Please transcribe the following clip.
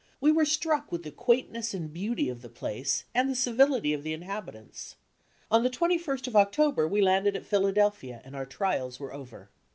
We were struck with the quaintness and beauty of the place and the civility of the inhabitants. On the 21st of October we landed at Philadelphia and our trials were over.